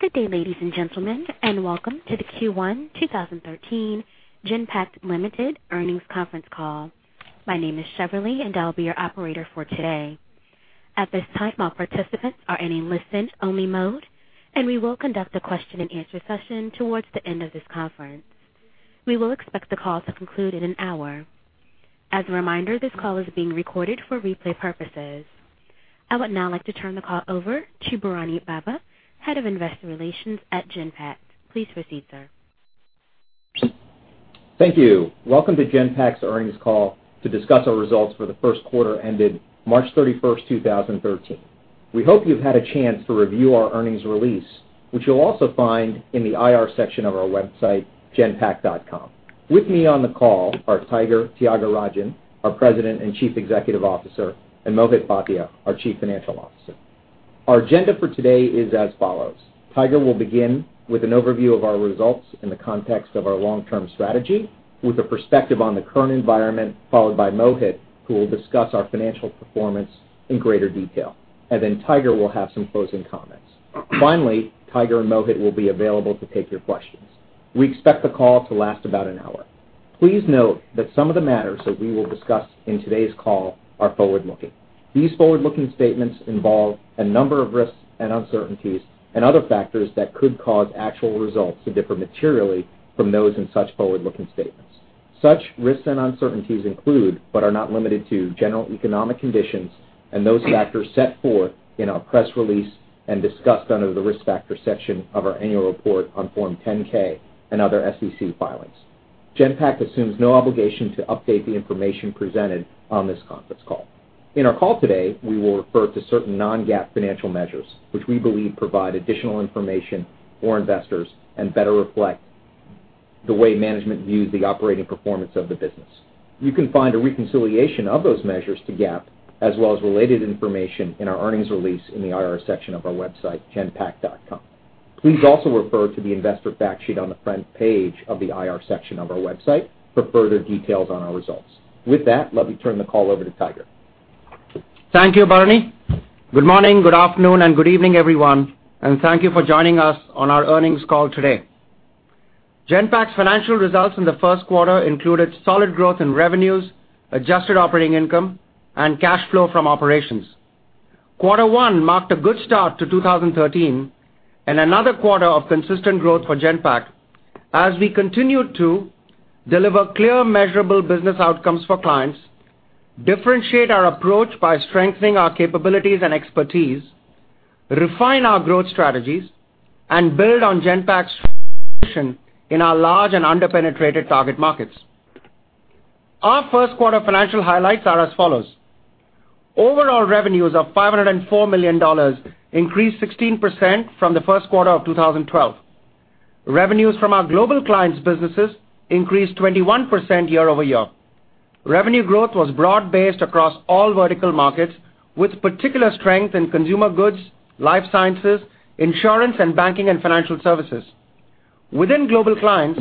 Good day, ladies and gentlemen, welcome to the Q1 2013 Genpact Limited earnings conference call. My name is Sheverly, I'll be your operator for today. At this time, all participants are in a listen-only mode, we will conduct a question and answer session towards the end of this conference. We will expect the call to conclude in an hour. As a reminder, this call is being recorded for replay purposes. I would now like to turn the call over to Bharani Bobba, Head of Investor Relations at Genpact. Please proceed, sir. Thank you. Welcome to Genpact's earnings call to discuss our results for the first quarter ended March 31st, 2013. We hope you've had a chance to review our earnings release, which you'll also find in the IR section of our website, genpact.com. With me on the call are Tiger Tyagarajan, our President and Chief Executive Officer, Mohit Bhatia, our Chief Financial Officer. Our agenda for today is as follows. Tiger will begin with an overview of our results in the context of our long-term strategy, with a perspective on the current environment, followed by Mohit, who will discuss our financial performance in greater detail. Then Tiger will have some closing comments. Finally, Tiger and Mohit will be available to take your questions. We expect the call to last about an hour. Please note that some of the matters that we will discuss in today's call are forward-looking. These forward-looking statements involve a number of risks and uncertainties and other factors that could cause actual results to differ materially from those in such forward-looking statements. Such risks and uncertainties include, but are not limited to, general economic conditions and those factors set forth in our press release and discussed under the Risk Factors section of our annual report on Form 10-K and other SEC filings. Genpact assumes no obligation to update the information presented on this conference call. In our call today, we will refer to certain non-GAAP financial measures, which we believe provide additional information for investors and better reflect the way management views the operating performance of the business. You can find a reconciliation of those measures to GAAP as well as related information in our earnings release in the IR section of our website, genpact.com. Please also refer to the investor fact sheet on the front page of the IR section of our website for further details on our results. With that, let me turn the call over to Tiger. Thank you, Bharani. Good morning, good afternoon, and good evening, everyone, thank you for joining us on our earnings call today. Genpact's financial results in the first quarter included solid growth in revenues, adjusted operating income, and cash flow from operations. Quarter one marked a good start to 2013 and another quarter of consistent growth for Genpact as we continued to deliver clear, measurable business outcomes for clients, differentiate our approach by strengthening our capabilities and expertise, refine our growth strategies, and build on Genpact's position in our large and under-penetrated target markets. Our first quarter financial highlights are as follows. Overall revenues of $504 million increased 16% from the first quarter of 2012. Revenues from our global clients' businesses increased 21% year-over-year. Revenue growth was broad-based across all vertical markets, with particular strength in consumer goods, life sciences, insurance, and banking and financial services. Within global clients,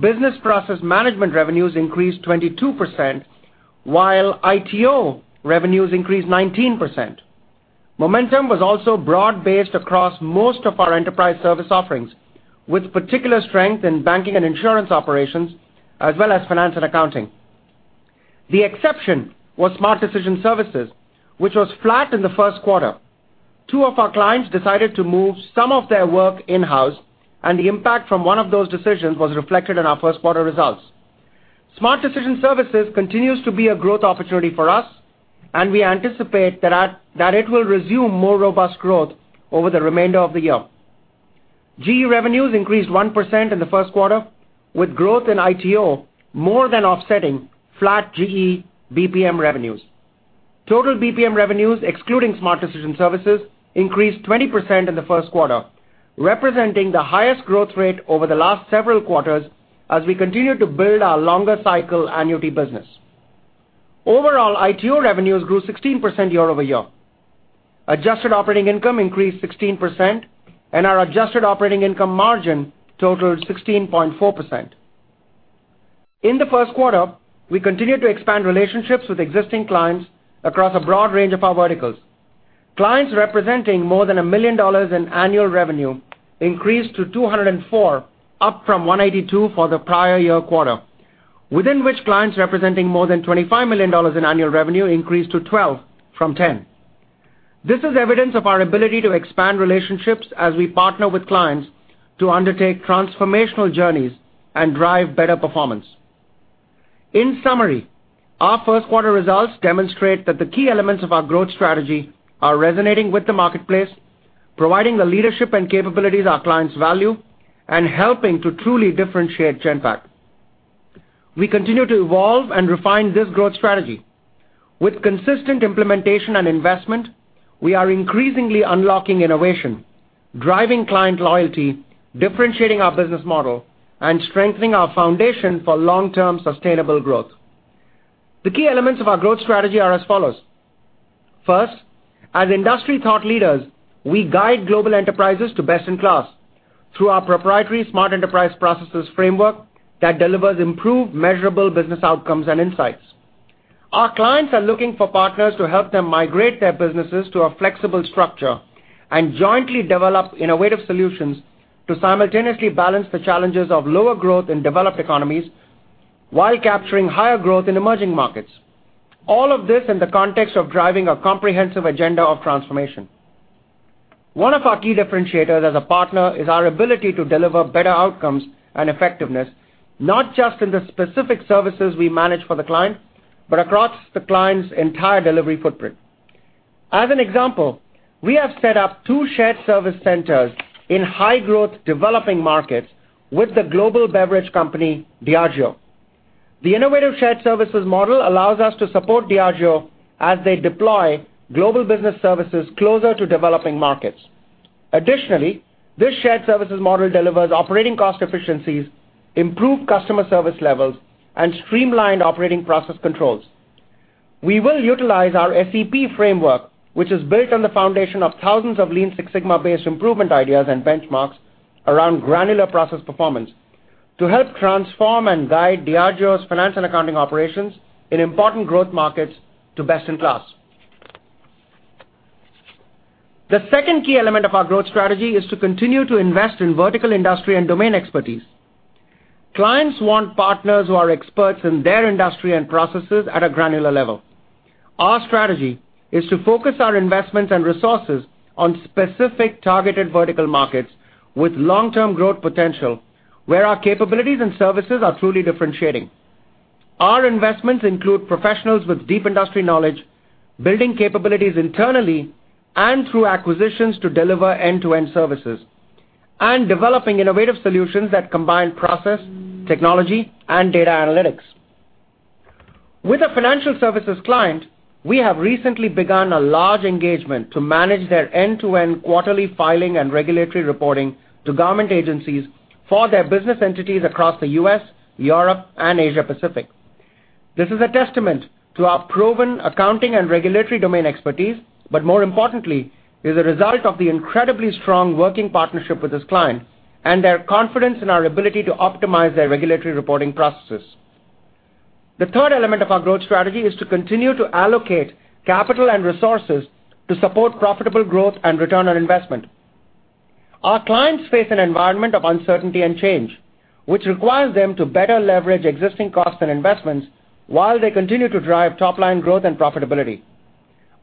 business process management revenues increased 22%, while ITO revenues increased 19%. Momentum was also broad-based across most of our enterprise service offerings, with particular strength in banking and insurance operations, as well as finance and accounting. The exception was Smart Decision Services, which was flat in the first quarter. Two of our clients decided to move some of their work in-house, the impact from one of those decisions was reflected in our first quarter results. Smart Decision Services continues to be a growth opportunity for us, and we anticipate that it will resume more robust growth over the remainder of the year. GE revenues increased 1% in the first quarter, with growth in ITO more than offsetting flat GE BPM revenues. Total BPM revenues, excluding Smart Decision Services, increased 20% in the first quarter, representing the highest growth rate over the last several quarters as we continue to build our longer cycle annuity business. Overall, ITO revenues grew 16% year-over-year. Adjusted operating income increased 16%, and our adjusted operating income margin totaled 16.4%. In the first quarter, we continued to expand relationships with existing clients across a broad range of our verticals. Clients representing more than a million dollars in annual revenue increased to 204, up from 182 for the prior year quarter, within which clients representing more than $25 million in annual revenue increased to 12 from 10. This is evidence of our ability to expand relationships as we partner with clients to undertake transformational journeys and drive better performance. In summary, our first quarter results demonstrate that the key elements of our growth strategy are resonating with the marketplace, providing the leadership and capabilities our clients value, and helping to truly differentiate Genpact. We continue to evolve and refine this growth strategy. With consistent implementation and investment, we are increasingly unlocking innovation, driving client loyalty, differentiating our business model, and strengthening our foundation for long-term sustainable growth. The key elements of our growth strategy are as follows. First, as industry thought leaders, we guide global enterprises to best in class. Through our proprietary Smart Enterprise Processes framework that delivers improved measurable business outcomes and insights. Our clients are looking for partners to help them migrate their businesses to a flexible structure and jointly develop innovative solutions to simultaneously balance the challenges of lower growth in developed economies, while capturing higher growth in emerging markets. All of this in the context of driving a comprehensive agenda of transformation. One of our key differentiators as a partner is our ability to deliver better outcomes and effectiveness, not just in the specific services we manage for the client, but across the client's entire delivery footprint. As an example, we have set up two shared service centers in high growth developing markets with the global beverage company, Diageo. The innovative shared services model allows us to support Diageo as they deploy global business services closer to developing markets. Additionally, this shared services model delivers operating cost efficiencies, improved customer service levels, and streamlined operating process controls. We will utilize our SEP framework, which is built on the foundation of thousands of Lean Six Sigma-based improvement ideas and benchmarks around granular process performance to help transform and guide Diageo's finance and accounting operations in important growth markets to best-in-class. The second key element of our growth strategy is to continue to invest in vertical industry and domain expertise. Clients want partners who are experts in their industry and processes at a granular level. Our strategy is to focus our investments and resources on specific targeted vertical markets with long-term growth potential, where our capabilities and services are truly differentiating. Our investments include professionals with deep industry knowledge, building capabilities internally and through acquisitions to deliver end-to-end services, and developing innovative solutions that combine process, technology, and data analytics. With a financial services client, we have recently begun a large engagement to manage their end-to-end quarterly filing and regulatory reporting to government agencies for their business entities across the U.S., Europe, and Asia-Pacific. This is a testament to our proven accounting and regulatory domain expertise, but more importantly, is a result of the incredibly strong working partnership with this client and their confidence in our ability to optimize their regulatory reporting processes. The third element of our growth strategy is to continue to allocate capital and resources to support profitable growth and return on investment. Our clients face an environment of uncertainty and change, which requires them to better leverage existing costs and investments while they continue to drive top-line growth and profitability.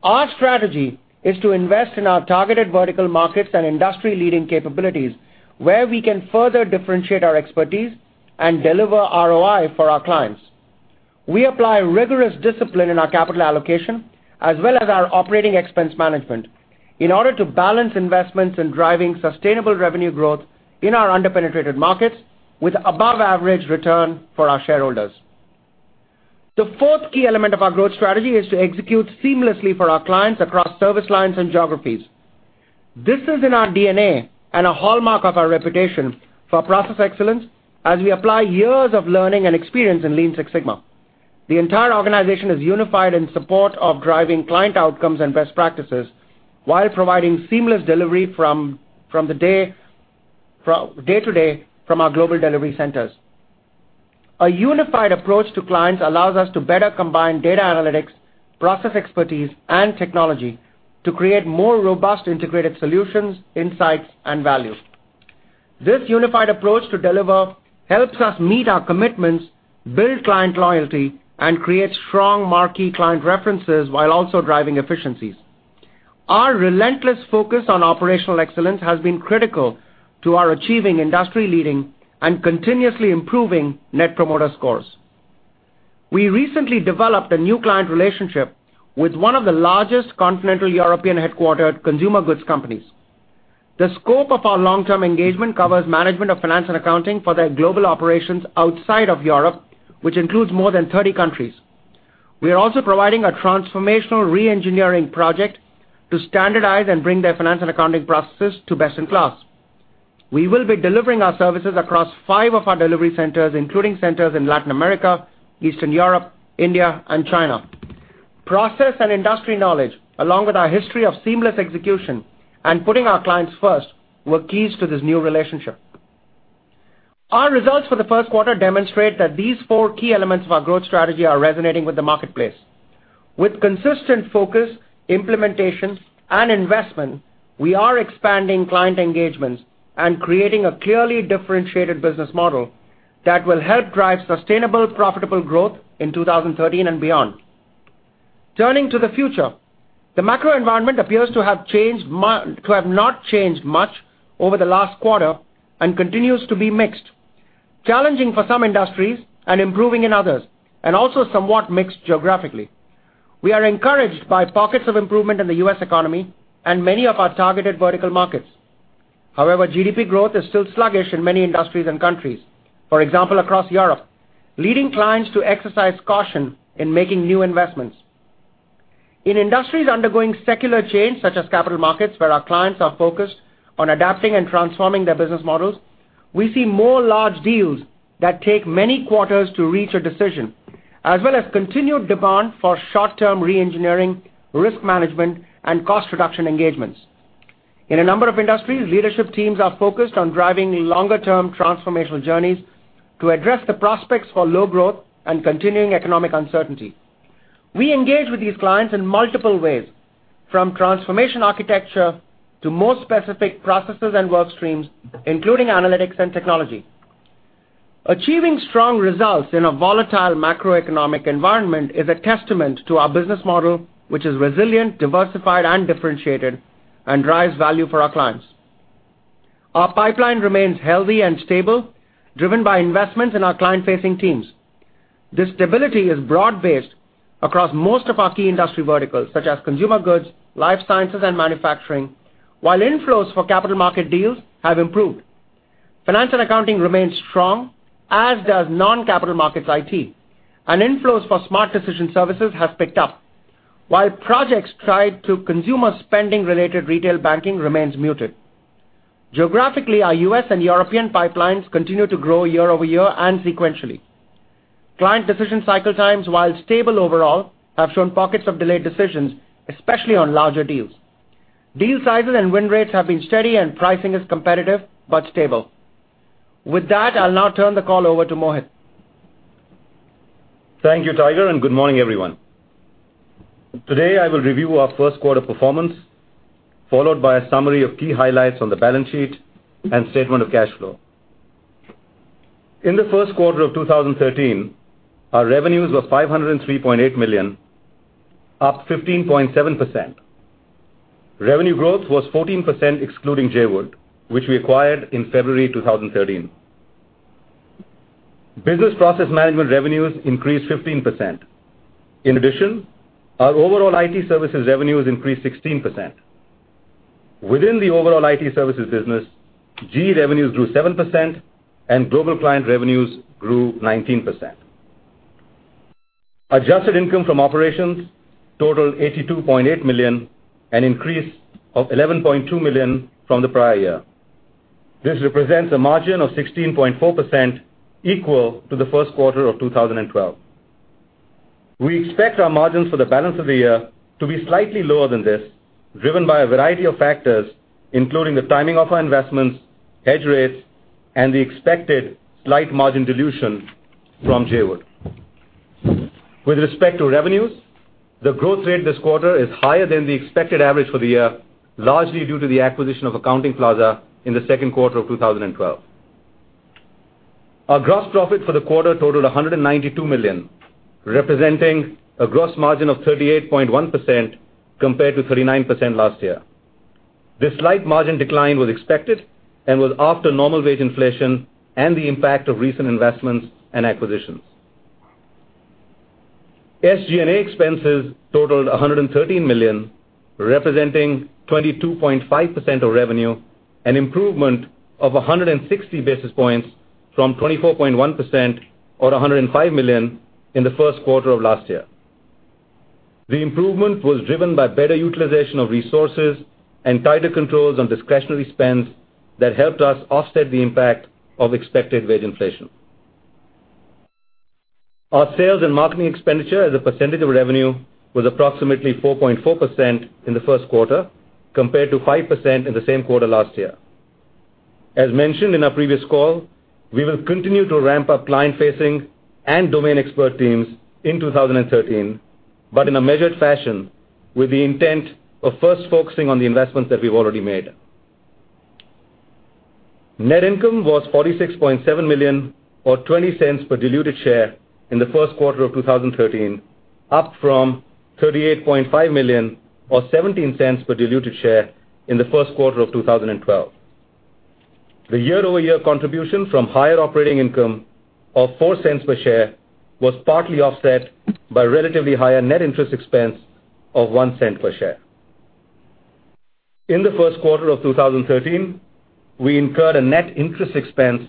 Our strategy is to invest in our targeted vertical markets and industry-leading capabilities, where we can further differentiate our expertise and deliver ROI for our clients. We apply rigorous discipline in our capital allocation as well as our operating expense management in order to balance investments in driving sustainable revenue growth in our under-penetrated markets with above-average return for our shareholders. The fourth key element of our growth strategy is to execute seamlessly for our clients across service lines and geographies. This is in our DNA and a hallmark of our reputation for process excellence, as we apply years of learning and experience in Lean Six Sigma. The entire organization is unified in support of driving client outcomes and best practices while providing seamless delivery from day-to-day from our global delivery centers. A unified approach to clients allows us to better combine data analytics, process expertise, and technology to create more robust integrated solutions, insights, and value. This unified approach to deliver helps us meet our commitments, build client loyalty, and create strong marquee client references while also driving efficiencies. Our relentless focus on operational excellence has been critical to our achieving industry-leading and continuously improving Net Promoter Score. We recently developed a new client relationship with one of the largest continental European-headquartered consumer goods companies. The scope of our long-term engagement covers management of finance and accounting for their global operations outside of Europe, which includes more than 30 countries. We are also providing a transformational re-engineering project to standardize and bring their finance and accounting processes to best-in-class. We will be delivering our services across five of our delivery centers, including centers in Latin America, Eastern Europe, India, and China. Process and industry knowledge, along with our history of seamless execution and putting our clients first, were keys to this new relationship. Our results for the first quarter demonstrate that these four key elements of our growth strategy are resonating with the marketplace. With consistent focus, implementation, and investment, we are expanding client engagements and creating a clearly differentiated business model that will help drive sustainable, profitable growth in 2013 and beyond. Turning to the future, the macro environment appears to have not changed much over the last quarter and continues to be mixed, challenging for some industries and improving in others, and also somewhat mixed geographically. We are encouraged by pockets of improvement in the U.S. economy and many of our targeted vertical markets. However, GDP growth is still sluggish in many industries and countries. For example, across Europe, leading clients to exercise caution in making new investments. In industries undergoing secular change, such as capital markets, where our clients are focused on adapting and transforming their business models. We see more large deals that take many quarters to reach a decision, as well as continued demand for short-term re-engineering, risk management, and cost reduction engagements. In a number of industries, leadership teams are focused on driving longer-term transformational journeys to address the prospects for low growth and continuing economic uncertainty. We engage with these clients in multiple ways, from transformation architecture to more specific processes and work streams, including analytics and technology. Achieving strong results in a volatile macroeconomic environment is a testament to our business model, which is resilient, diversified, and differentiated, and drives value for our clients. Our pipeline remains healthy and stable, driven by investments in our client-facing teams. This stability is broad-based across most of our key industry verticals, such as consumer goods, life sciences, and manufacturing, while inflows for capital market deals have improved. Finance and accounting remains strong, as does non-capital markets IT. Inflows for Smart Decision Services have picked up, while projects tied to consumer spending-related retail banking remains muted. Geographically, our U.S. and European pipelines continue to grow year-over-year and sequentially. Client decision cycle times, while stable overall, have shown pockets of delayed decisions, especially on larger deals. Deal sizes and win rates have been steady, and pricing is competitive but stable. With that, I'll now turn the call over to Mohit. Thank you, Tiger, and good morning, everyone. Today, I will review our first quarter performance, followed by a summary of key highlights on the balance sheet and statement of cash flow. In the first quarter of 2013, our revenues was $503.8 million, up 15.7%. Revenue growth was 14% excluding Jawood, which we acquired in February 2013. Business process management revenues increased 15%. In addition, our overall IT services revenues increased 16%. Within the overall IT services business, GE revenues grew 7% and global client revenues grew 19%. Adjusted income from operations totaled $82.8 million, an increase of $11.2 million from the prior year. This represents a margin of 16.4%, equal to the first quarter of 2012. We expect our margins for the balance of the year to be slightly lower than this, driven by a variety of factors, including the timing of our investments, hedge rates, and the expected slight margin dilution from Jawood. With respect to revenues, the growth rate this quarter is higher than the expected average for the year, largely due to the acquisition of Accounting Plaza in the second quarter of 2012. Our gross profit for the quarter totaled $192 million, representing a gross margin of 38.1% compared to 39% last year. This slight margin decline was expected and was after normal wage inflation and the impact of recent investments and acquisitions. SG&A expenses totaled $113 million, representing 22.5% of revenue, an improvement of 160 basis points from 24.1%, or $105 million, in the first quarter of last year. The improvement was driven by better utilization of resources and tighter controls on discretionary spends that helped us offset the impact of expected wage inflation. Our sales and marketing expenditure as a percentage of revenue was approximately 4.4% in the first quarter, compared to 5% in the same quarter last year. As mentioned in our previous call, we will continue to ramp up client-facing and domain expert teams in 2013, but in a measured fashion with the intent of first focusing on the investments that we've already made. Net income was $46.7 million, or $0.20 per diluted share, in the first quarter of 2013, up from $38.5 million, or $0.17 per diluted share, in the first quarter of 2012. The year-over-year contribution from higher operating income of $0.04 per share was partly offset by relatively higher net interest expense of $0.01 per share. In the first quarter of 2013, we incurred a net interest expense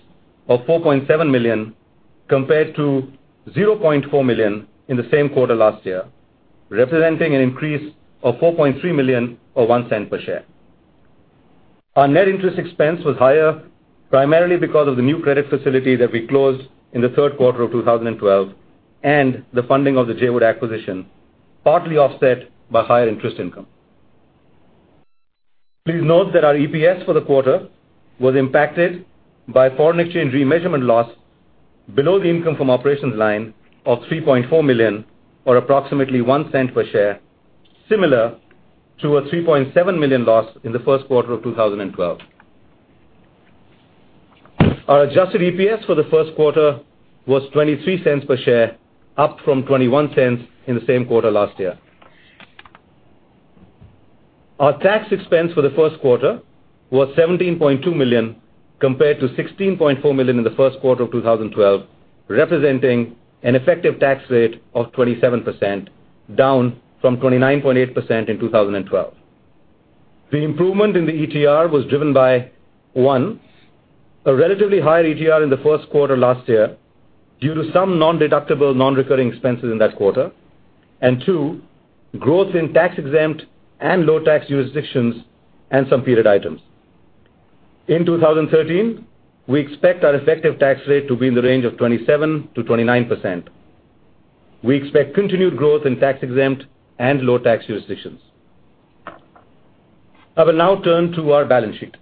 of $4.7 million compared to $0.4 million in the same quarter last year, representing an increase of $4.3 million or $0.01 per share. Our net interest expense was higher, primarily because of the new credit facility that we closed in the third quarter of 2012 and the funding of the Jawood acquisition, partly offset by higher interest income. Please note that our EPS for the quarter was impacted by foreign exchange remeasurement loss below the income from operations line of $3.4 million or approximately $0.01 per share, similar to a $3.7 million loss in the first quarter of 2012. Our adjusted EPS for the first quarter was $0.23 per share, up from $0.21 in the same quarter last year. Our tax expense for the first quarter was $17.2 million compared to $16.4 million in the first quarter of 2012, representing an effective tax rate of 27%, down from 29.8% in 2012. The improvement in the ETR was driven by, one, a relatively high ETR in the first quarter last year due to some non-deductible, non-recurring expenses in that quarter. Two, growth in tax-exempt and low-tax jurisdictions and some period items. In 2013, we expect our effective tax rate to be in the range of 27%-29%. We expect continued growth in tax-exempt and low-tax jurisdictions. I will now turn to our balance sheet.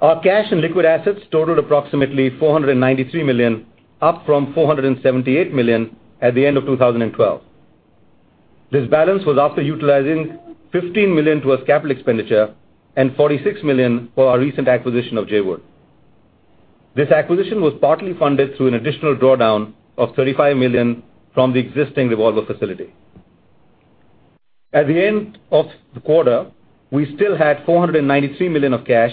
Our cash and liquid assets totaled approximately $493 million, up from $478 million at the end of 2012. This balance was after utilizing $15 million towards capital expenditure and $46 million for our recent acquisition of Jawood. This acquisition was partly funded through an additional drawdown of $35 million from the existing revolver facility. At the end of the quarter, we still had $493 million of cash,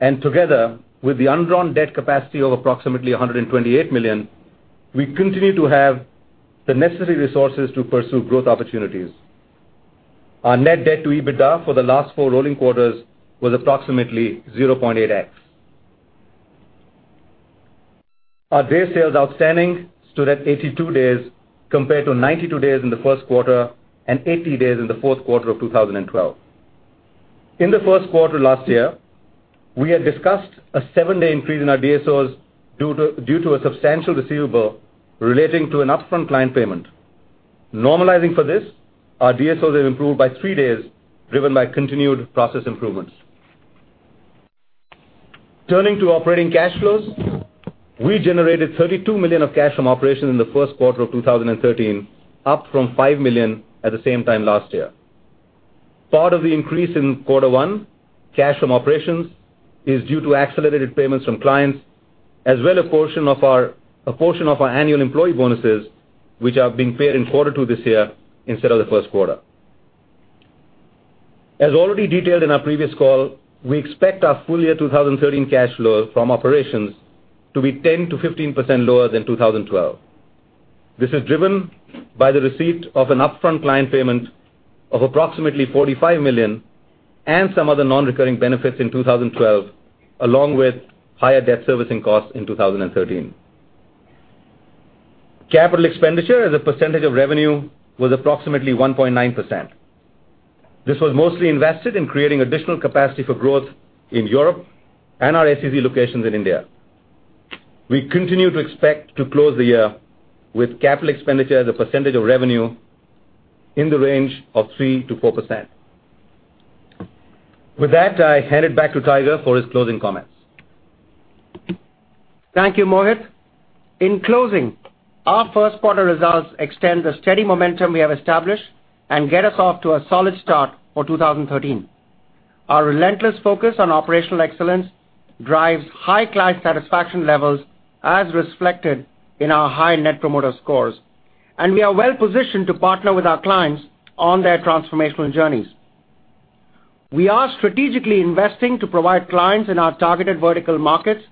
and together with the undrawn debt capacity of approximately $128 million, we continue to have the necessary resources to pursue growth opportunities. Our net debt to EBITDA for the last four rolling quarters was approximately 0.8x. Our Days Sales Outstanding stood at 82 days, compared to 92 days in the first quarter and 80 days in the fourth quarter of 2012. In the first quarter last year, we had discussed a seven-day increase in our DSOs due to a substantial receivable relating to an upfront client payment. Normalizing for this, our DSOs have improved by three days, driven by continued process improvements. Turning to operating cash flows, we generated $32 million of cash from operations in the first quarter of 2013, up from $5 million at the same time last year. Part of the increase in quarter one cash from operations is due to accelerated payments from clients, as well a portion of our annual employee bonuses, which are being paid in quarter two this year instead of the first quarter. As already detailed in our previous call, we expect our full year 2013 cash flow from operations to be 10%-15% lower than 2012. This is driven by the receipt of an upfront client payment of approximately $45 million and some other non-recurring benefits in 2012, along with higher debt servicing costs in 2013. Capital expenditure as a percentage of revenue was approximately 1.9%. This was mostly invested in creating additional capacity for growth in Europe and our SEZ locations in India. We continue to expect to close the year with capital expenditure as a percentage of revenue in the range of 3%-4%. With that, I hand it back to Tiger for his closing comments. Thank you, Mohit. In closing, our first quarter results extend the steady momentum we have established and get us off to a solid start for 2013. Our relentless focus on operational excellence drives high client satisfaction levels as reflected in our high Net Promoter Scores, and we are well positioned to partner with our clients on their transformational journeys. We are strategically investing to provide clients in our targeted vertical markets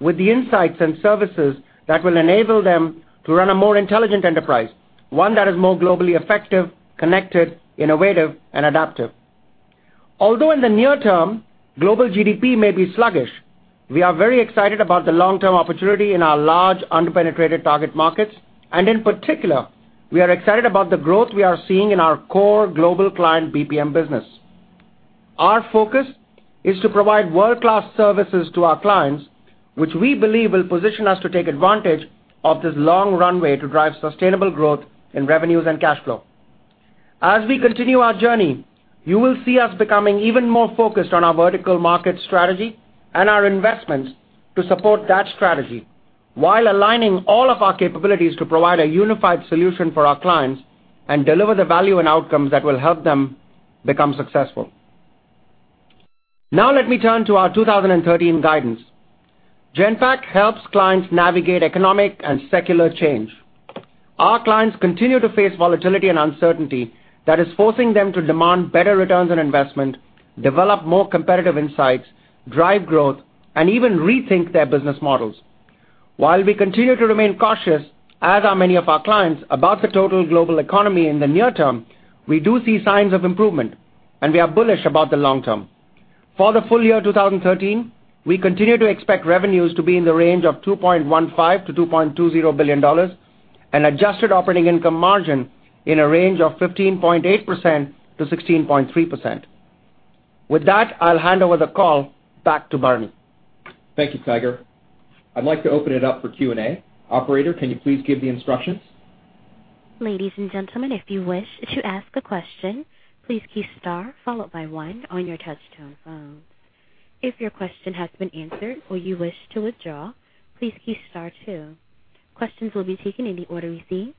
with the insights and services that will enable them to run a more intelligent enterprise, one that is more globally effective, connected, innovative, and adaptive. Although in the near term, global GDP may be sluggish, we are very excited about the long-term opportunity in our large under-penetrated target markets. In particular, we are excited about the growth we are seeing in our core global client BPM business. Our focus is to provide world-class services to our clients, which we believe will position us to take advantage of this long runway to drive sustainable growth in revenues and cash flow. As we continue our journey, you will see us becoming even more focused on our vertical market strategy and our investments to support that strategy while aligning all of our capabilities to provide a unified solution for our clients and deliver the value and outcomes that will help them become successful. Now let me turn to our 2013 guidance. Genpact helps clients navigate economic and secular change. Our clients continue to face volatility and uncertainty that is forcing them to demand better returns on investment, develop more competitive insights, drive growth, and even rethink their business models. While we continue to remain cautious, as are many of our clients, about the total global economy in the near term, we do see signs of improvement, and we are bullish about the long term. For the full year 2013, we continue to expect revenues to be in the range of $2.15 billion-$2.20 billion, an adjusted operating income margin in a range of 15.8%-16.3%. With that, I'll hand over the call back to Bharani. Thank you, Tiger. I'd like to open it up for Q&A. Operator, can you please give the instructions? Ladies and gentlemen, if you wish to ask a question, please key star followed by one on your touch-tone phone. If your question has been answered or you wish to withdraw, please key star two. Questions will be taken in the order received.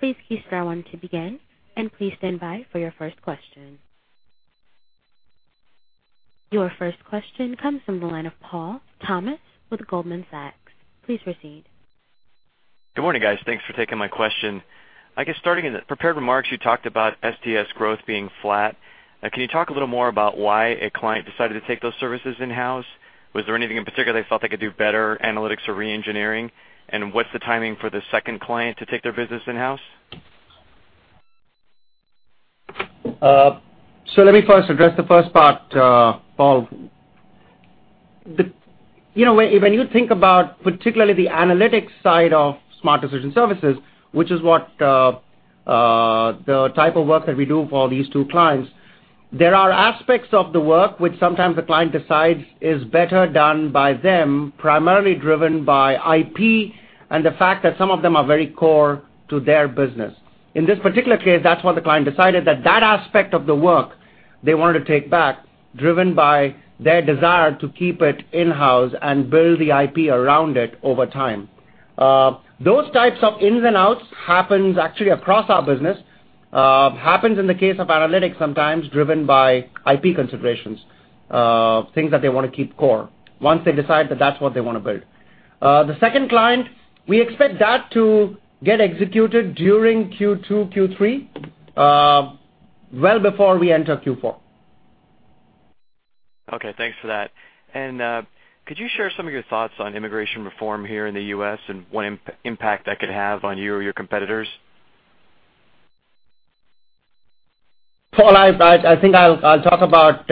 Please key star one to begin, and please stand by for your first question. Your first question comes from the line of Paul Thomas with Goldman Sachs. Please proceed. Good morning, guys. Thanks for taking my question. I guess starting in the prepared remarks, you talked about SDS growth being flat. Can you talk a little more about why a client decided to take those services in-house? Was there anything in particular they felt they could do better, analytics or re-engineering? What's the timing for the second client to take their business in-house? Let me first address the first part, Paul. When you think about particularly the analytics side of Smart Decision Services, which is the type of work that we do for these two clients, there are aspects of the work which sometimes the client decides is better done by them, primarily driven by IP and the fact that some of them are very core to their business. In this particular case, that's what the client decided, that that aspect of the work they wanted to take back, driven by their desire to keep it in-house and build the IP around it over time. Those types of ins and outs happens actually across our business, happens in the case of analytics, sometimes driven by IP considerations, things that they want to keep core, once they decide that's what they want to build. The second client, we expect that to get executed during Q2, Q3, well before we enter Q4. Okay, thanks for that. Could you share some of your thoughts on immigration reform here in the U.S. and what impact that could have on you or your competitors? Paul, I think I'll talk about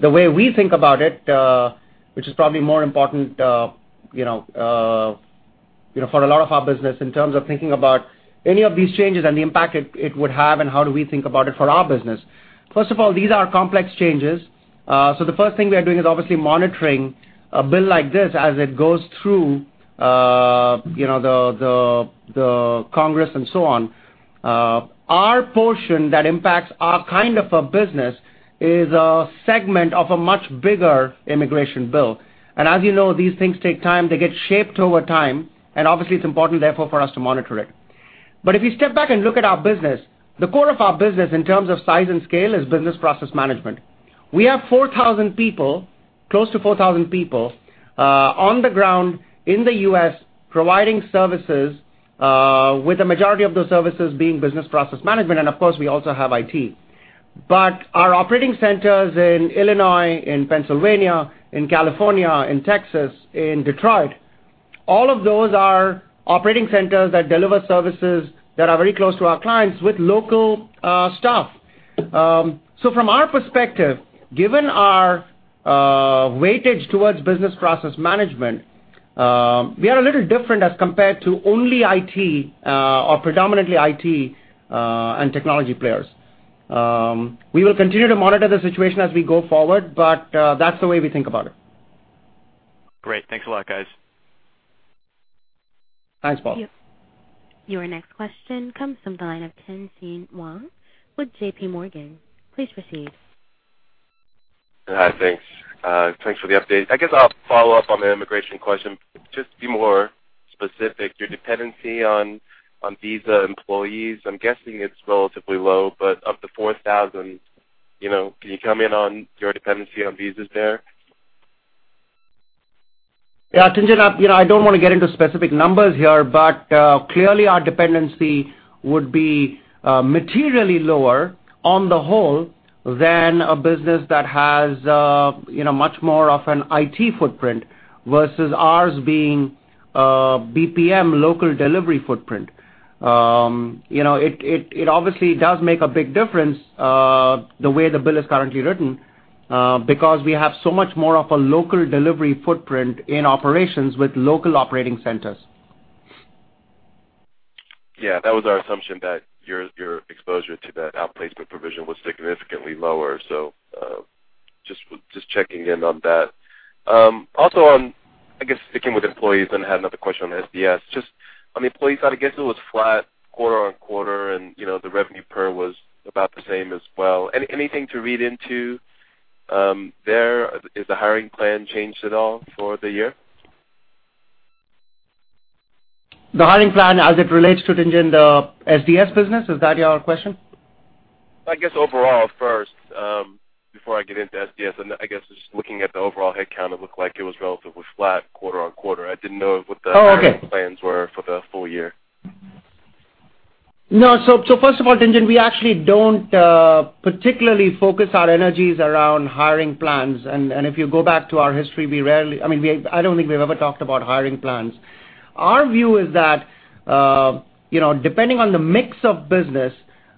the way we think about it, which is probably more important for a lot of our business in terms of thinking about any of these changes and the impact it would have and how do we think about it for our business. First of all, these are complex changes. The first thing we are doing is obviously monitoring a bill like this as it goes through the Congress and so on. Our portion that impacts our kind of a business is a segment of a much bigger immigration bill. As you know, these things take time. They get shaped over time, and obviously it's important, therefore, for us to monitor it. If you step back and look at our business, the core of our business in terms of size and scale is business process management. We have 4,000 people, close to 4,000 people, on the ground in the U.S. providing services, with the majority of those services being business process management, and of course, we also have IT. Our operating centers in Illinois, in Pennsylvania, in California, in Texas, in Detroit, all of those are operating centers that deliver services that are very close to our clients with local staff. From our perspective, given our weightage towards business process management, we are a little different as compared to only IT or predominantly IT and technology players. We will continue to monitor the situation as we go forward, but that's the way we think about it. Great. Thanks a lot, guys. Thanks, Paul. Your next question comes from the line of Tien-Tsin Huang with JPMorgan. Please proceed. Hi, thanks. Thanks for the update. I guess I'll follow up on the immigration question. Just to be more specific, your dependency on visa employees, I'm guessing it's relatively low, but up to 4,000. Can you comment on your dependency on visas there? Yeah, Tien-Tsin, I don't want to get into specific numbers here, but clearly our dependency would be materially lower on the whole than a business that has much more of an IT footprint versus ours being a BPM local delivery footprint. It obviously does make a big difference, the way the bill is currently written, because we have so much more of a local delivery footprint in operations with local operating centers. Yeah, that was our assumption, that your exposure to that outplacement provision was significantly lower. Just checking in on that. Also on, I guess, sticking with employees, I had another question on SDS. Just on the employee side, I guess it was flat quarter-on-quarter and the revenue per was about the same as well. Anything to read into there? Is the hiring plan changed at all for the year? The hiring plan as it relates to, Tien-Tsin, the SDS business? Is that your question? I guess overall first, before I get into SDS, just looking at the overall headcount, it looked like it was relatively flat quarter-on-quarter. Oh, okay. hiring plans were for the full year. No. First of all, Tien-Tsin, we actually don't particularly focus our energies around hiring plans. If you go back to our history, I don't think we've ever talked about hiring plans. Our view is that, depending on the mix of business,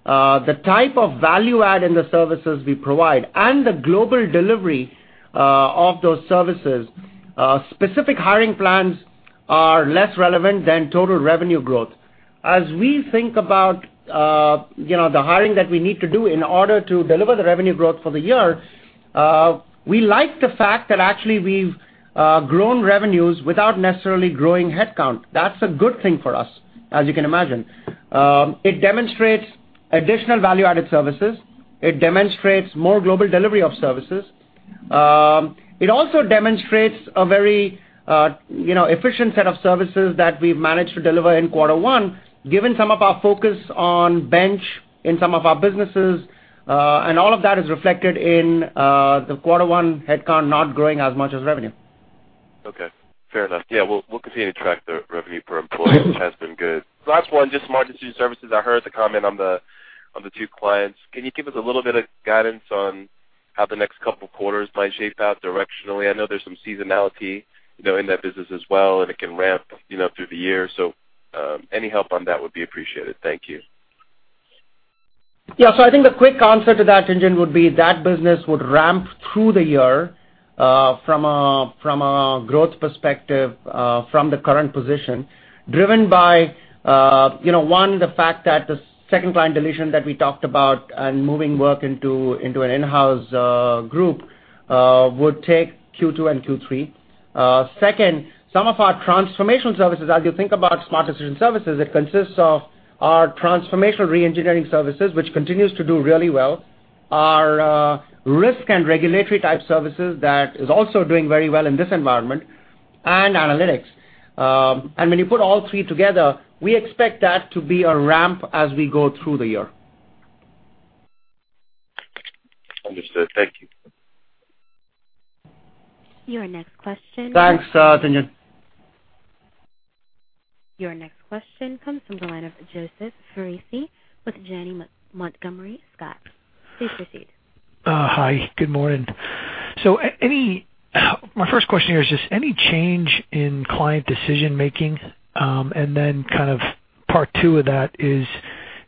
the type of value add in the services we provide, and the global delivery of those services, specific hiring plans are less relevant than total revenue growth. As we think about the hiring that we need to do in order to deliver the revenue growth for the year, we like the fact that actually we've grown revenues without necessarily growing headcount. That's a good thing for us, as you can imagine. It demonstrates additional value-added services. It demonstrates more global delivery of services. It also demonstrates a very efficient set of services that we've managed to deliver in quarter one, given some of our focus on bench in some of our businesses. All of that is reflected in the quarter one headcount not growing as much as revenue. Okay. Fair enough. Yeah. We'll continue to track the revenue per employee, which has been good. Last one, just Smart Decision Services. I heard the comment on the two clients. Can you give us a little bit of guidance on how the next couple of quarters might shape out directionally? I know there's some seasonality in that business as well, and it can ramp up through the year. Any help on that would be appreciated. Thank you. Yeah. I think the quick answer to that, Tien-Tsin, would be that business would ramp through the year, from a growth perspective, from the current position, driven by, one, the fact that the second client deletion that we talked about and moving work into an in-house group, would take Q2 and Q3. Second, some of our transformation services, as you think about Smart Decision Services, it consists of our transformational re-engineering services, which continues to do really well. Our risk and regulatory type services that is also doing very well in this environment, and analytics. When you put all three together, we expect that to be a ramp as we go through the year. Understood. Thank you. Your next question. Thanks, Tien-Tsin. Your next question comes from the line of Joseph Foresi with Janney Montgomery Scott. Please proceed. Hi, good morning. My first question here is just, any change in client decision-making? Part two of that is,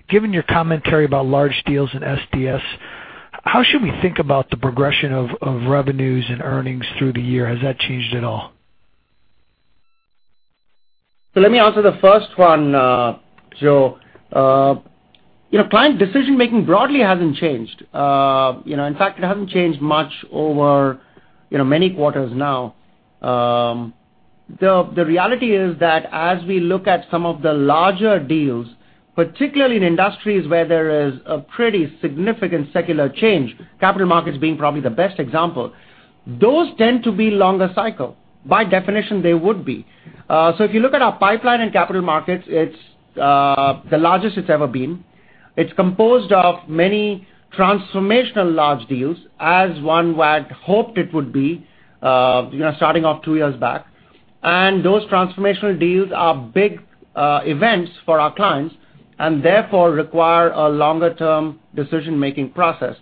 given your commentary about large deals in SDS, how should we think about the progression of revenues and earnings through the year? Has that changed at all? Let me answer the first one, Joe. Client decision-making broadly hasn't changed. In fact, it hasn't changed much over many quarters now. The reality is that as we look at some of the larger deals, particularly in industries where there is a pretty significant secular change, capital markets being probably the best example, those tend to be longer cycle. By definition, they would be. If you look at our pipeline and capital markets, it's the largest it's ever been. It's composed of many transformational large deals as one would have hoped it would be, starting off two years back. Those transformational deals are big events for our clients, and therefore require a longer-term decision-making process.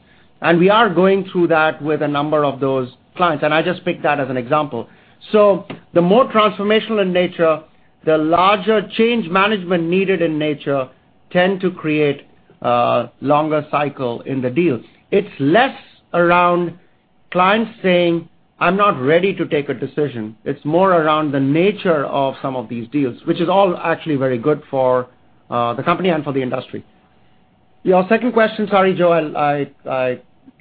We are going through that with a number of those clients, and I just picked that as an example. The more transformational in nature, the larger change management needed in nature tend to create a longer cycle in the deals. It's less around clients saying, "I'm not ready to take a decision." It's more around the nature of some of these deals, which is all actually very good for the company and for the industry. Your second question, sorry, Joe.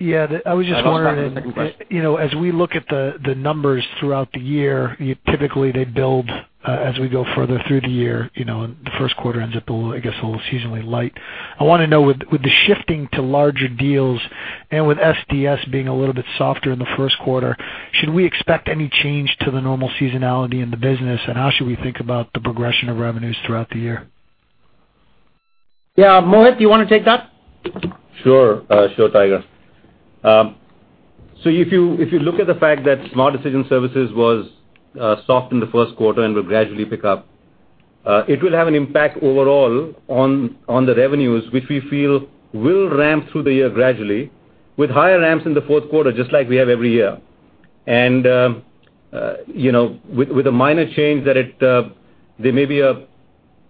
Yeah, I was just wondering. I lost track of the second question as we look at the numbers throughout the year, typically they build as we go further through the year. The first quarter ends up, I guess, a little seasonally light. I want to know, with the shifting to larger deals and with SDS being a little bit softer in the first quarter, should we expect any change to the normal seasonality in the business? How should we think about the progression of revenues throughout the year? Yeah, Mohit, do you want to take that? Sure, Tiger. If you look at the fact that Smart Decision Services was soft in the first quarter and will gradually pick up, it will have an impact overall on the revenues, which we feel will ramp through the year gradually with higher ramps in the fourth quarter, just like we have every year. With a minor change, there may be a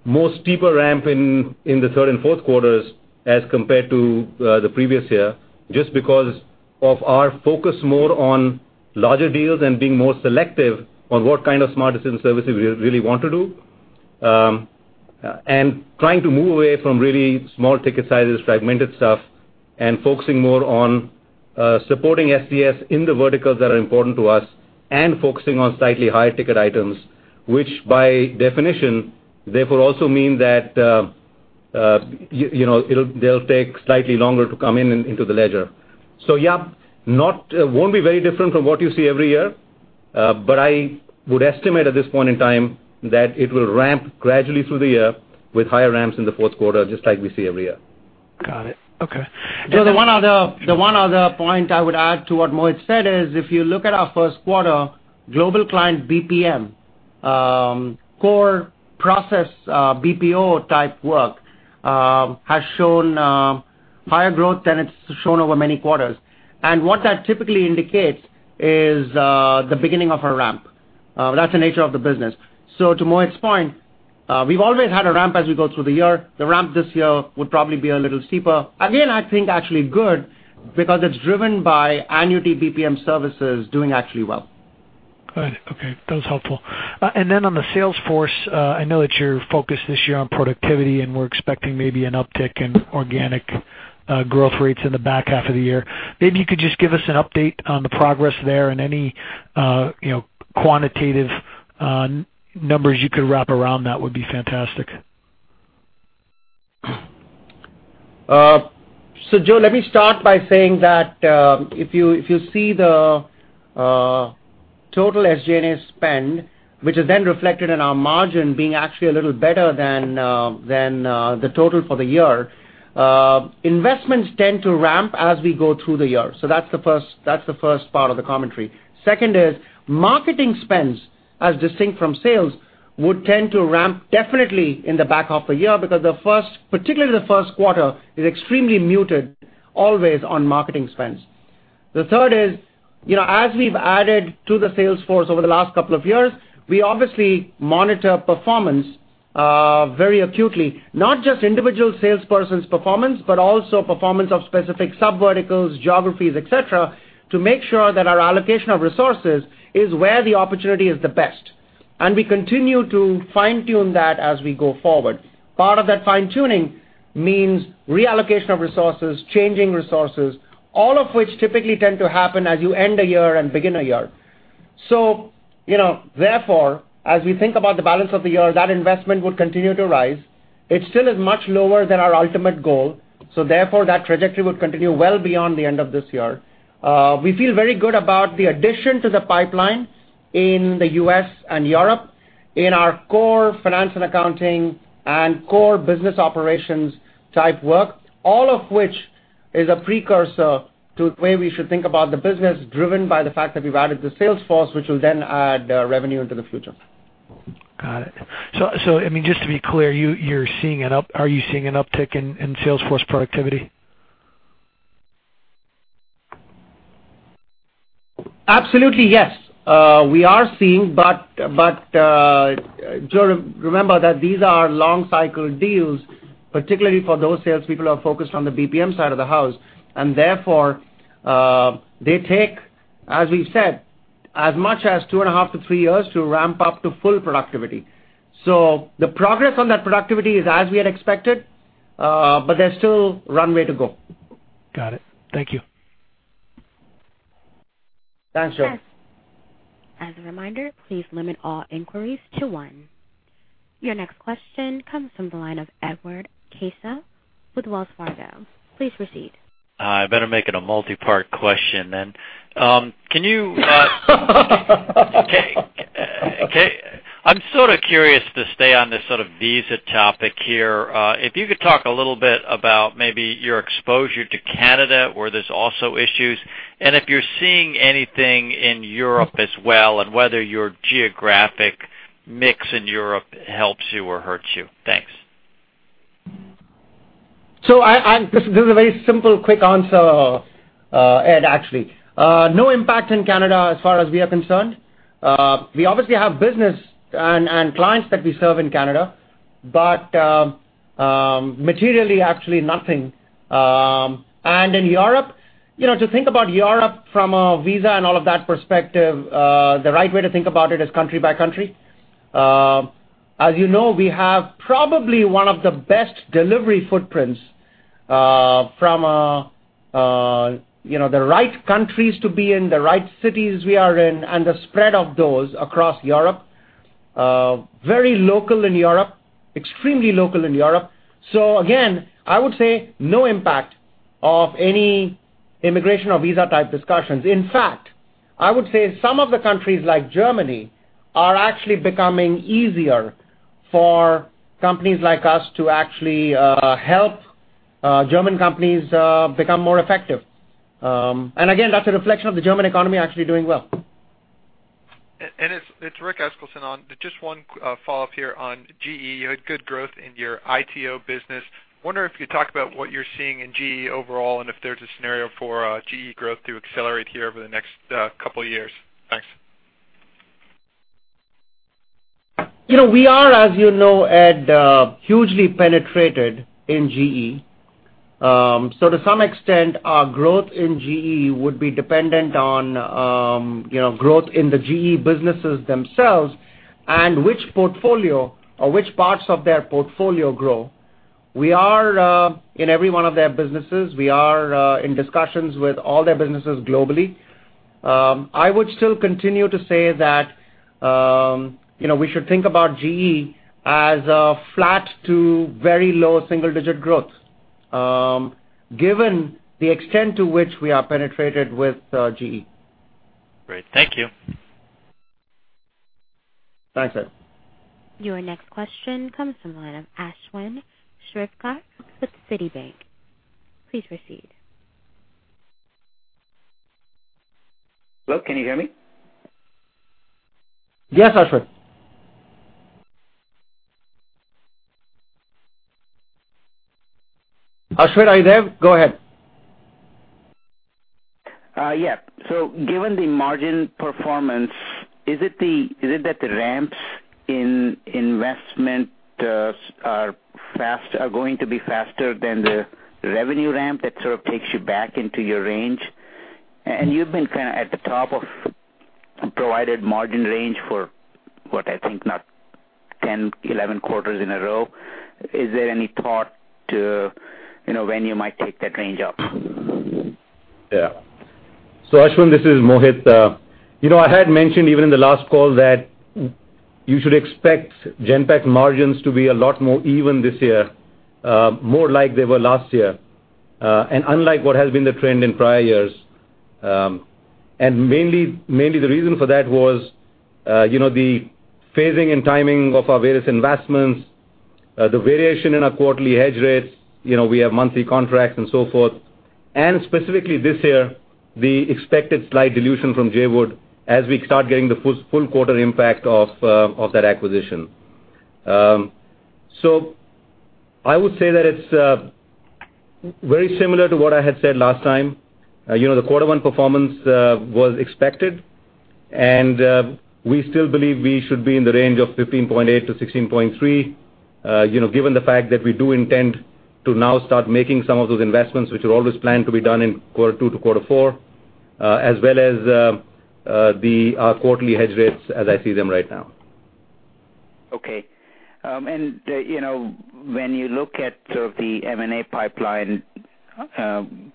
more steeper ramp in the third and fourth quarters as compared to the previous year, just because of our focus more on larger deals and being more selective on what kind of Smart Decision Services we really want to do. Trying to move away from really small ticket sizes, fragmented stuff, and focusing more on supporting SDS in the verticals that are important to us, and focusing on slightly higher ticket items. Which by definition, therefore also mean that they'll take slightly longer to come into the ledger. Yeah, won't be very different from what you see every year. I would estimate at this point in time that it will ramp gradually through the year with higher ramps in the fourth quarter, just like we see every year. Got it. Okay. Joe, the one other point I would add to what Mohit said is, if you look at our first quarter global client BPM, core process BPO type work, has shown higher growth than it's shown over many quarters. What that typically indicates is the beginning of a ramp. That's the nature of the business. To Mohit's point, we've always had a ramp as we go through the year. The ramp this year would probably be a little steeper. Again, I think actually good because it's driven by annuity BPM services doing actually well. Got it. Okay. That was helpful. On the sales force, I know that you're focused this year on productivity, and we're expecting maybe an uptick in organic growth rates in the back half of the year. Maybe you could just give us an update on the progress there and any quantitative numbers you could wrap around that would be fantastic. Joe, let me start by saying that, if you see the total SG&A spend, which is then reflected in our margin being actually a little better than the total for the year. Investments tend to ramp as we go through the year. That's the first part of the commentary. Second is, marketing spends, as distinct from sales would tend to ramp definitely in the back half of the year because particularly the first quarter is extremely muted always on marketing spends. The third is, as we've added to the sales force over the last couple of years, we obviously monitor performance very acutely, not just individual salesperson's performance, but also performance of specific sub-verticals, geographies, et cetera, to make sure that our allocation of resources is where the opportunity is the best. We continue to fine-tune that as we go forward. Part of that fine-tuning means reallocation of resources, changing resources, all of which typically tend to happen as you end a year and begin a year. Therefore, as we think about the balance of the year, that investment would continue to rise. It still is much lower than our ultimate goal, so therefore that trajectory would continue well beyond the end of this year. We feel very good about the addition to the pipeline in the U.S. and Europe, in our core finance and accounting and core business operations type work, all of which is a precursor to the way we should think about the business driven by the fact that we've added the sales force, which will then add revenue into the future. Got it. Just to be clear, are you seeing an uptick in sales force productivity? Absolutely, yes. Do remember that these are long cycle deals, particularly for those sales people who are focused on the BPM side of the house. Therefore, they take, as we've said, as much as two and a half to three years to ramp up to full productivity. The progress on that productivity is as we had expected, but there's still runway to go. Got it. Thank you. Thanks, Joe. As a reminder, please limit all inquiries to one. Your next question comes from the line of Edward Caso with Wells Fargo. Please proceed. I better make it a multi-part question then. Okay. I'm sort of curious to stay on this sort of visa topic here. If you could talk a little bit about maybe your exposure to Canada, where there's also issues, and if you're seeing anything in Europe as well, and whether your geographic mix in Europe helps you or hurts you. Thanks. This is a very simple, quick answer, Ed, actually. No impact in Canada as far as we are concerned. We obviously have business and clients that we serve in Canada, but materially, actually nothing. In Europe, to think about Europe from a visa and all of that perspective, the right way to think about it is country by country. As you know, we have probably one of the best delivery footprints from the right countries to be in, the right cities we are in, and the spread of those across Europe. Very local in Europe, extremely local in Europe. Again, I would say no impact of any immigration or visa type discussions. In fact, I would say some of the countries like Germany are actually becoming easier for companies like us to actually help German companies become more effective. Again, that's a reflection of the German economy actually doing well. It's Rick Eskelsen on. Just one follow-up here on GE. You had good growth in your ITO business. Wonder if you could talk about what you're seeing in GE overall and if there's a scenario for GE growth to accelerate here over the next couple of years. Thanks. We are, as you know, Ed, hugely penetrated in GE. To some extent, our growth in GE would be dependent on growth in the GE businesses themselves and which portfolio or which parts of their portfolio grow. We are in every one of their businesses. We are in discussions with all their businesses globally. I would still continue to say that we should think about GE as a flat to very low single-digit growth, given the extent to which we are penetrated with GE. Great. Thank you. Thanks, Ed. Your next question comes from the line of Ashwin Shirvaikar with Citi. Please proceed. Hello, can you hear me? Yes, Ashwin. Ashwin, are you there? Go ahead. Given the margin performance, is it that the ramps in investment are going to be faster than the revenue ramp that sort of takes you back into your range? You've been kind of at the top of provided margin range for, what I think now, 10, 11 quarters in a row. Is there any thought to when you might take that range up? Ashwin, this is Mohit. I had mentioned even in the last call that you should expect Genpact margins to be a lot more even this year, more like they were last year, and unlike what has been the trend in prior years. Mainly the reason for that was the phasing and timing of our various investments The variation in our quarterly hedge rates, we have monthly contracts and so forth. Specifically this year, the expected slight dilution from Jawood as we start getting the full quarter impact of that acquisition. I would say that it's very similar to what I had said last time. The quarter one performance was expected. We still believe we should be in the range of 15.8 to 16.3, given the fact that we do intend to now start making some of those investments, which were always planned to be done in quarter two to quarter four, as well as the quarterly hedge rates as I see them right now. Okay. When you look at sort of the M&A pipeline,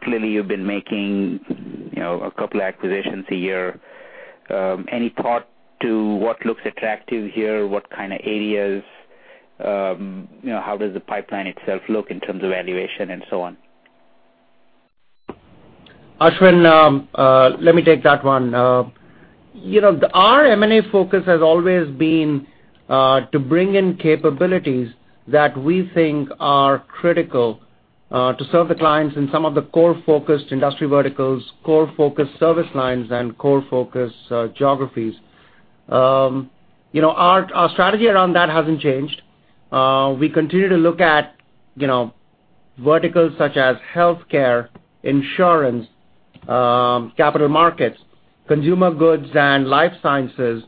clearly you've been making a couple acquisitions a year. Any thought to what looks attractive here? What kind of areas, how does the pipeline itself look in terms of valuation and so on? Ashwin, let me take that one. Our M&A focus has always been to bring in capabilities that we think are critical to serve the clients in some of the core focused industry verticals, core focused service lines, and core focused geographies. Our strategy around that hasn't changed. We continue to look at verticals such as healthcare, insurance, capital markets, consumer goods, and life sciences.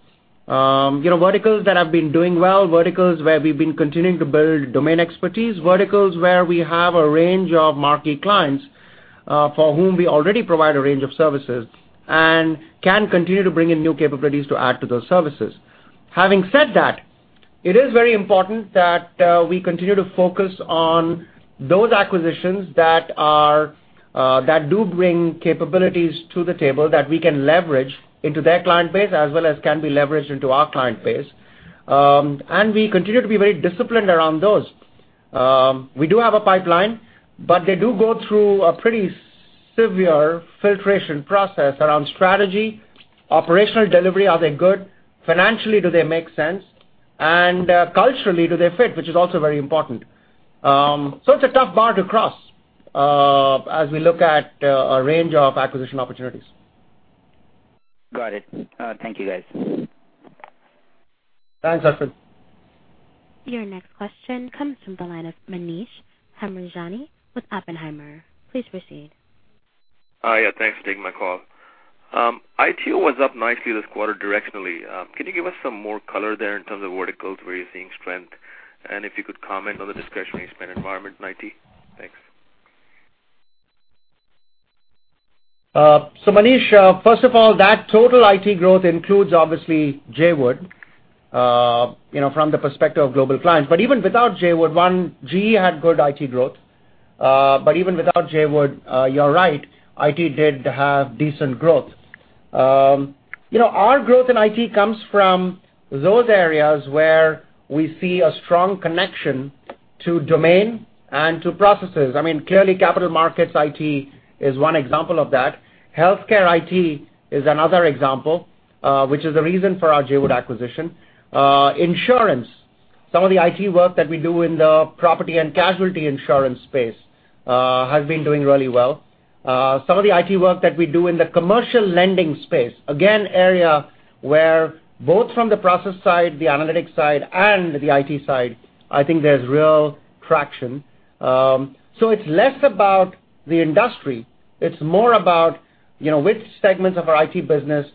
Verticals that have been doing well, verticals where we've been continuing to build domain expertise, verticals where we have a range of marquee clients for whom we already provide a range of services, and can continue to bring in new capabilities to add to those services. Having said that, it is very important that we continue to focus on those acquisitions that do bring capabilities to the table that we can leverage into their client base as well as can be leveraged into our client base. We continue to be very disciplined around those. We do have a pipeline, but they do go through a pretty severe filtration process around strategy, operational delivery, are they good? Financially, do they make sense? Culturally, do they fit? Which is also very important. It's a tough bar to cross, as we look at a range of acquisition opportunities. Got it. Thank you, guys. Thanks, Ashwin. Your next question comes from the line of Manish Hemrajani with Oppenheimer. Please proceed. Hi, thanks for taking my call. IT was up nicely this quarter directionally. Can you give us some more color there in terms of verticals where you're seeing strength? If you could comment on the discretionary spend environment in IT. Thanks. Manish, first of all, that total IT growth includes obviously Jawood, from the perspective of global clients. Even without Jawood, one, GE had good IT growth. Even without Jawood, you're right, IT did have decent growth. Our growth in IT comes from those areas where we see a strong connection to domain and to processes. Clearly, capital markets IT is one example of that. Healthcare IT is another example, which is the reason for our Jawood acquisition. Insurance, some of the IT work that we do in the property and casualty insurance space, has been doing really well. Some of the IT work that we do in the commercial lending space, again, area where both from the process side, the analytics side, and the IT side, I think there's real traction. It's less about the industry. It's more about which segments of our IT business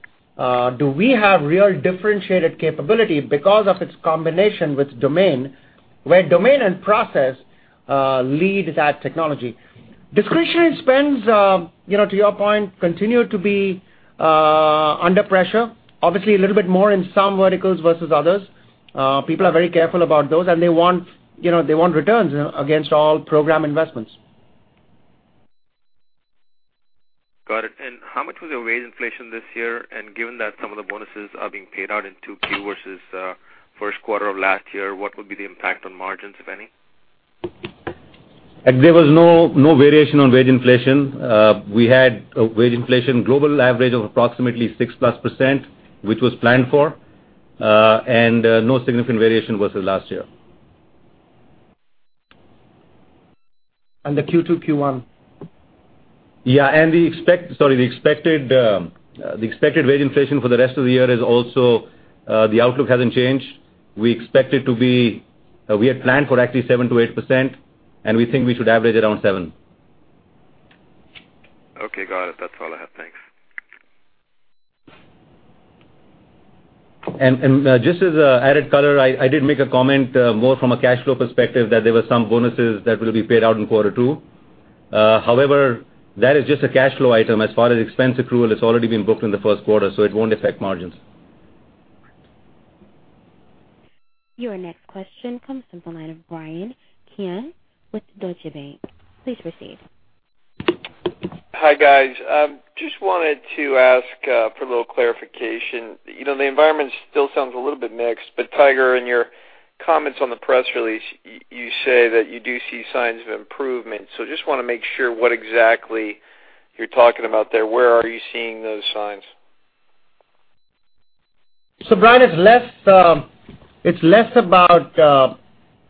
do we have real differentiated capability because of its combination with domain, where domain and process lead that technology. Discretionary spends, to your point, continue to be under pressure, obviously a little bit more in some verticals versus others. People are very careful about those, they want returns against all program investments. Got it. How much was the wage inflation this year? Given that some of the bonuses are being paid out in 2Q versus first quarter of last year, what would be the impact on margins, if any? There was no variation on wage inflation. We had a wage inflation global average of approximately 6+%, which was planned for, no significant variation versus last year. The Q2, Q1. Yeah. The expected wage inflation for the rest of the year is also, the outlook hasn't changed. We had planned for actually 7%-8%, and we think we should average around seven. Okay, got it. That's all I have. Thanks. Just as added color, I did make a comment more from a cash flow perspective that there were some bonuses that will be paid out in quarter two. However, that is just a cash flow item. As far as expense accrual, it's already been booked in the first quarter, so it won't affect margins. Your next question comes from the line of Bryan Keane with Deutsche Bank. Please proceed. Hi, guys. Just wanted to ask for a little clarification. The environment still sounds a little bit mixed, Tiger, in your comments on the press release, you say that you do see signs of improvement. Just want to make sure what exactly you're talking about there. Where are you seeing those signs? Bryan, it's less about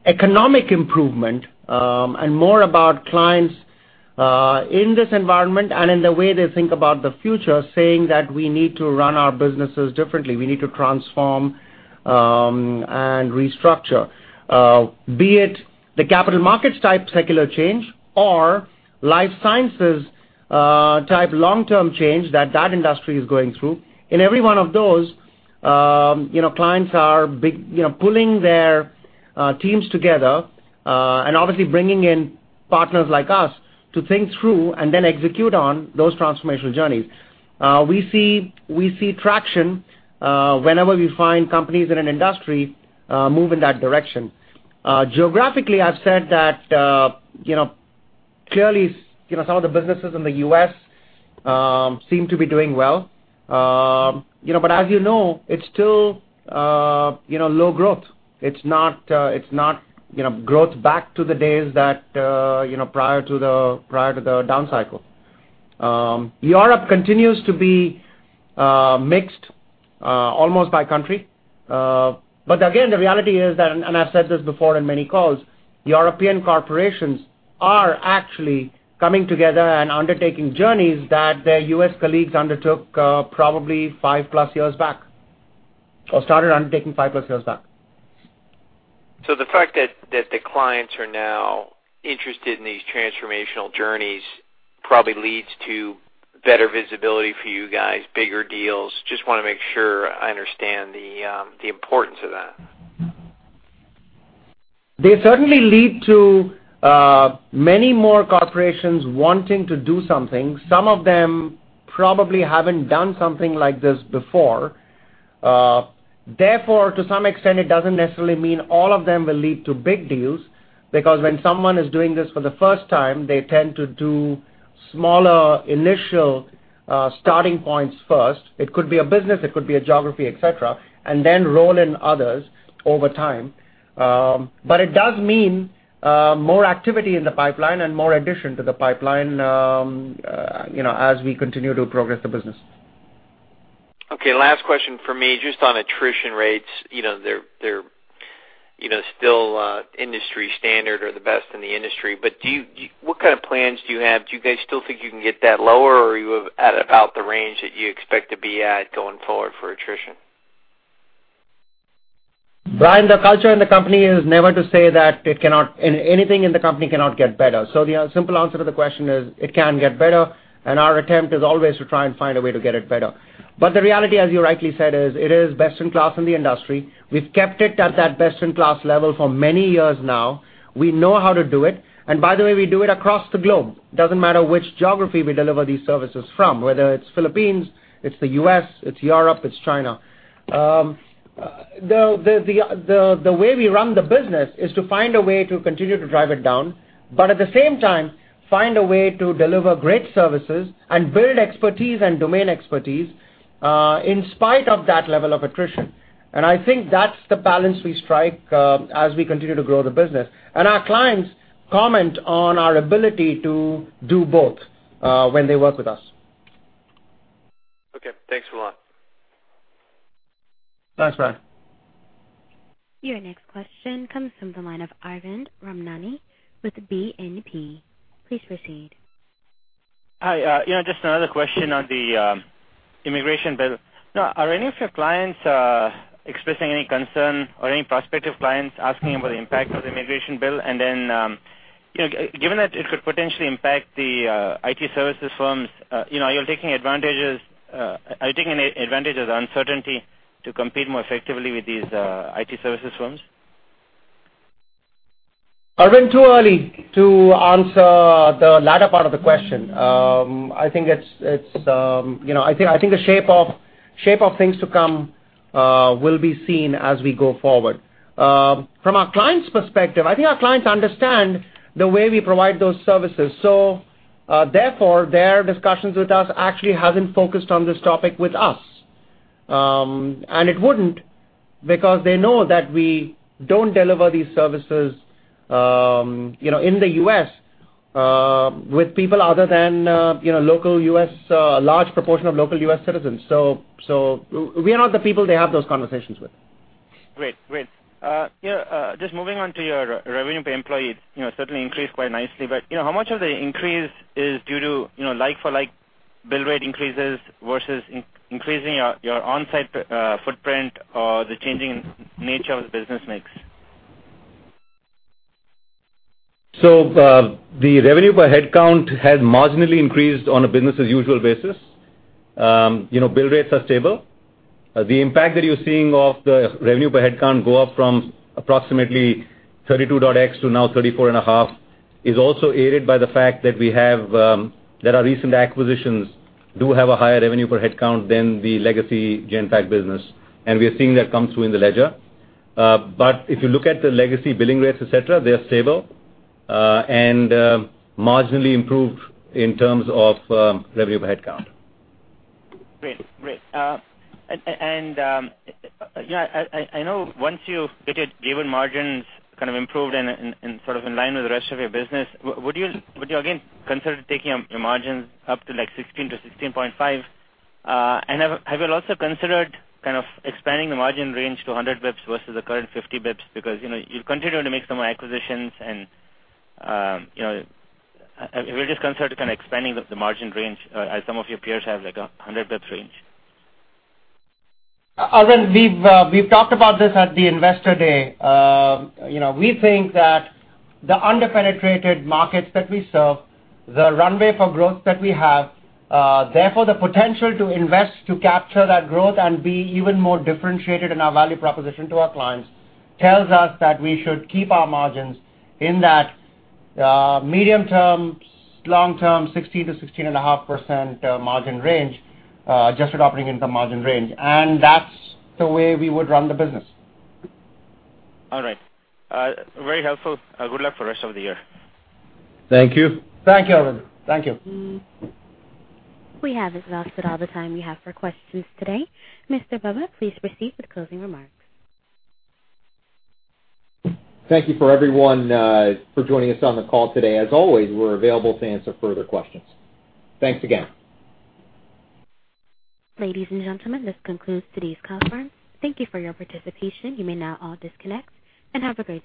economic improvement, and more about clients in this environment and in the way they think about the future, saying that we need to run our businesses differently. We need to transform and restructure. Be it the capital markets type secular change or life sciences type long-term change that that industry is going through. In every one of those, clients are pulling their teams together, and obviously bringing in partners like us to think through and then execute on those transformational journeys. We see traction whenever we find companies in an industry move in that direction. Geographically, I've said that clearly, some of the businesses in the U.S. seem to be doing well. As you know, it's still low growth. It's not growth back to the days that prior to the down cycle. Europe continues to be mixed, almost by country. Again, the reality is that, and I've said this before in many calls, European corporations are actually coming together and undertaking journeys that their U.S. colleagues undertook probably five-plus years back, or started undertaking five-plus years back. The fact that the clients are now interested in these transformational journeys probably leads to better visibility for you guys, bigger deals. Just want to make sure I understand the importance of that. They certainly lead to many more corporations wanting to do something. Some of them probably haven't done something like this before. To some extent, it doesn't necessarily mean all of them will lead to big deals, because when someone is doing this for the first time, they tend to do smaller initial starting points first. It could be a business, it could be a geography, et cetera, and then roll in others over time. It does mean more activity in the pipeline and more addition to the pipeline as we continue to progress the business. Last question from me, just on attrition rates. They're still industry standard or the best in the industry, but what kind of plans do you have? Do you guys still think you can get that lower, or are you at about the range that you expect to be at going forward for attrition? Bryan, the culture in the company is never to say that anything in the company cannot get better. The simple answer to the question is it can get better, and our attempt is always to try and find a way to get it better. The reality, as you rightly said, is it is best in class in the industry. We've kept it at that best-in-class level for many years now. We know how to do it. By the way, we do it across the globe. Doesn't matter which geography we deliver these services from, whether it's Philippines, it's the U.S., it's Europe, it's China. The way we run the business is to find a way to continue to drive it down, but at the same time, find a way to deliver great services and build expertise and domain expertise, in spite of that level of attrition. I think that's the balance we strike as we continue to grow the business. Our clients comment on our ability to do both when they work with us. Okay, thanks a lot. Thanks, Bryan. Your next question comes from the line of Arvind Ramnani with BNP. Please proceed. Hi. Just another question on the immigration bill. Are any of your clients expressing any concern or any prospective clients asking about the impact of the immigration bill? Given that it could potentially impact the IT services firms, are you taking advantage of the uncertainty to compete more effectively with these IT services firms? Arvind, too early to answer the latter part of the question. I think the shape of things to come will be seen as we go forward. From our clients' perspective, I think our clients understand the way we provide those services. Their discussions with us actually haven't focused on this topic with us. It wouldn't because they know that we don't deliver these services in the U.S. with people other than a large proportion of local U.S. citizens. We are not the people they have those conversations with. Great. Just moving on to your revenue per employee. It certainly increased quite nicely, how much of the increase is due to like-for-like bill rate increases versus increasing your on-site footprint or the changing nature of the business mix? The revenue per head count has marginally increased on a business-as-usual basis. Bill rates are stable. The impact that you're seeing of the revenue per head count go up from approximately 32.X to now 34.5 is also aided by the fact that our recent acquisitions do have a higher revenue per head count than the legacy Genpact business, we are seeing that come through in the ledger. If you look at the legacy billing rates, et cetera, they're stable, and marginally improved in terms of revenue per head count. Great. I know once you hit it, given margins kind of improved and sort of in line with the rest of your business, would you again consider taking your margins up to 16%-16.5%? Have you also considered kind of expanding the margin range to 100 basis points versus the current 50 basis points? Because you're continuing to make some more acquisitions and have you just considered kind of expanding the margin range as some of your peers have, like 100 basis points range? Arvind, we've talked about this at the investor day. We think that the under-penetrated markets that we serve, the runway for growth that we have, therefore the potential to invest to capture that growth and be even more differentiated in our value proposition to our clients, tells us that we should keep our margins in that medium term, long term, 16%-16.5% margin range, adjusted operating income margin range. That's the way we would run the business. All right. Very helpful. Good luck for rest of the year. Thank you. Thank you, Arvind. Thank you. We have exhausted all the time we have for questions today. Mr. Bobba, please proceed with closing remarks. Thank you for everyone for joining us on the call today. As always, we're available to answer further questions. Thanks again. Ladies and gentlemen, this concludes today's call. Thank you for your participation. You may now all disconnect. Have a great day.